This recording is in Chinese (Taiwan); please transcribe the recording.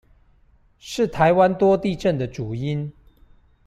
是台灣多地震的主因